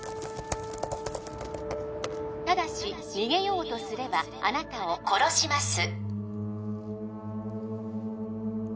ただし逃げようとすればあなたを殺します